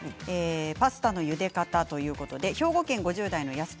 パスタのゆで方ということで兵庫県５０代の方です。